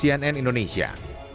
tim liputan cnn indonesia